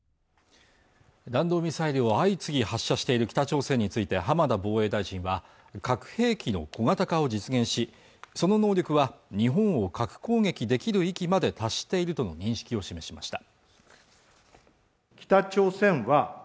弾道ミサイルを相次ぎ発射している北朝鮮について浜田防衛大臣は核兵器の小型化を実現しその能力は日本を核攻撃できる域まで達しているとの認識を示しました